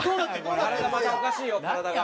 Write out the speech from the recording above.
体またおかしいよ体が。